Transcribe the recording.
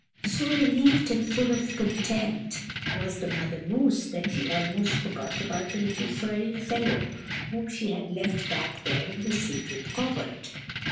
So relieved and full of content was the mother moose that she almost forgot about the little furry fellow whom she had left back there in the secret covert.